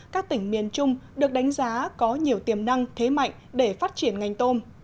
các tỉnh miền trung được đánh giá có nhiều tiềm năng thế mạnh để phát triển ngành tôm